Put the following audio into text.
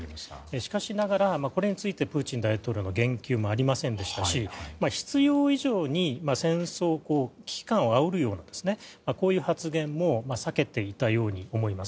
しかしながらこれについてプーチン大統領の言及はありませんでしたし必要以上に戦争を危機感をあおるようなこういう発言も避けていたように思います。